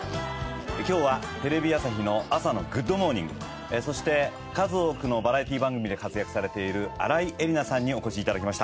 今日はテレビ朝日の朝の『グッド！モーニング』そして数多くのバラエティー番組で活躍されている新井恵理那さんにお越し頂きました。